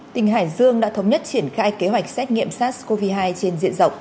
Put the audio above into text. tỉnh hải dương đã thống nhất triển khai kế hoạch xét nghiệm sars cov hai trên diện rộng